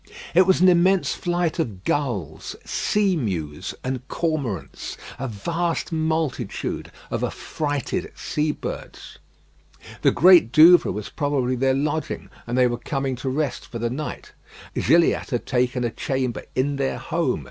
It was an immense flight of gulls, seamews, and cormorants; a vast multitude of affrighted sea birds. The Great Douvre was probably their lodging, and they were coming to rest for the night. Gilliatt had taken a chamber in their home.